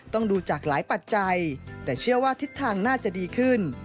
ดูจากหลายปัจจัยแต่เชื่อว่าทิศทางน่าจะดีขึ้น